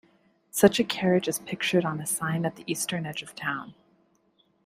Such a carriage is pictured on a sign at the eastern edge of town.